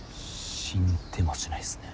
死んでもしないっすね。